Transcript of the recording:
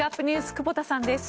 久保田さんです。